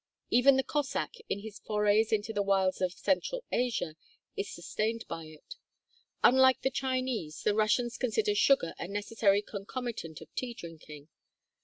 Even the Cossack, in his forays into the wilds of central Asia, is sustained by it. Unlike the Chinese, the Russians consider sugar a necessary concomitant of tea drinking.